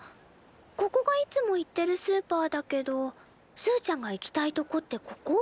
ここがいつも行ってるスーパーだけどすーちゃんが行きたいとこってここ？